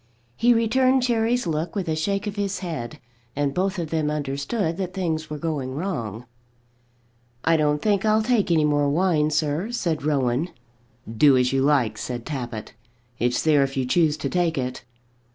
He returned Cherry's look with a shake of his head, and both of them understood that things were going wrong. "I don't think I'll take any more wine, sir," said Rowan. "Do as you like," said Tappitt. "It's there if you choose to take it."